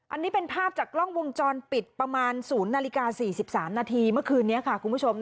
อันนี้เป็นภาพจากกล้องวงจรปิดประมาณ๐นาฬิกา๔๓นาทีเมื่อคืนนี้ค่ะคุณผู้ชม